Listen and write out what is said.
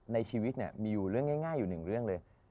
ในชีวิตมีอยู่เรื่องง่ายอยู่หนึ่งเรื่องเลย